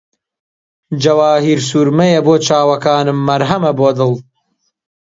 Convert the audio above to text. جەواهیرسورمەیە بۆ چاوەکانم، مەرهەمە بۆ دڵ